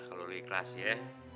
kalau lu ikhlas ya